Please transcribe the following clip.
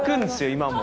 今も。